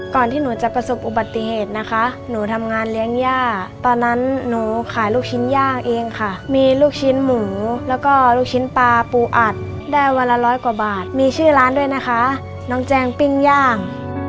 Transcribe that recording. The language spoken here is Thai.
ที่หนูจะประสบอุบัติเหตุนะคะหนูทำงานเลี้ยงย่าตอนนั้นหนูขายลูกชิ้นย่างเองค่ะมีลูกชิ้นหมูแล้วก็ลูกชิ้นปลาปูอัดได้วันละร้อยกว่าบาทมีชื่อร้านด้วยนะคะน้องแจงปิ้งย่าง